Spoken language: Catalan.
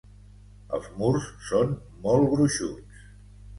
Els murs són molt gruixuts.